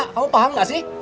kamu paham gak sih